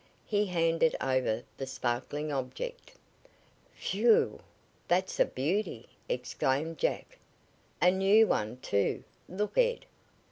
He handed over the sparkling object. "Whew! That's a beauty!" exclaimed Jack. "A new one, too! Look, Ed!